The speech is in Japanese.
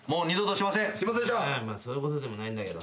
そういうことでもないんだけど。